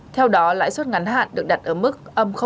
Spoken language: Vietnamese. theo đó lãi suất ngắn hạn được đặt ở mức năm